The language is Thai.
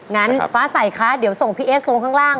งั้นฟ้าใสคะเดี๋ยวส่งพี่เอสลงข้างล่าง